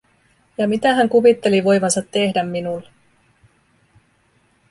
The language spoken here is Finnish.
Ja mitä hän kuvitteli voivansa tehdä minulle?